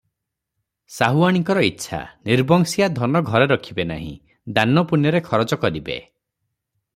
ସାହୁଆଣୀଙ୍କର ଇଚ୍ଛା, ନିର୍ବଂଶିଆ ଧନ ଘରେ ରଖିବେ ନାହିଁ, ଦାନପୁଣ୍ୟରେ ଖରଚ କରିବେ ।